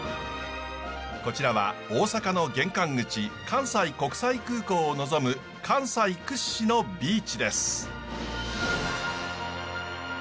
こちらは大阪の玄関口関西国際空港を望む関西屈指のビーチです。